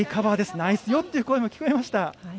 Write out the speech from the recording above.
「ナイスよ」という声が聞こえました。